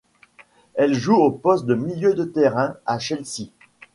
Elle joue au poste de milieu de terrain à Chelsea.